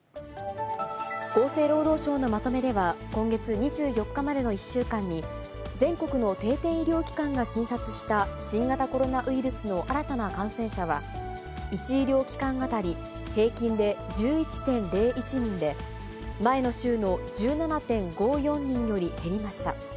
厚生労働省のまとめでは、今月２４日までの１週間に、全国の定点医療機関が診察した新型コロナウイルスの新たな感染者は、１医療機関当たり平均で１１．０１人で、前の週の１７．５４人より減りました。